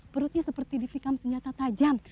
perutnya seperti divikam senjata tajam